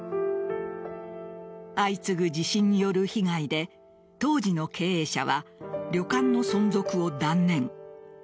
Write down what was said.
相次ぐ地震による被害で当時の経営者は旅館の存続を断念。